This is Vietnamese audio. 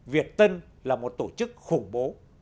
việt tân là một tổ chức khủng bố